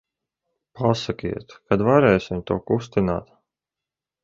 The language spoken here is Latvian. Pasakiet, kad varēsim to kustināt.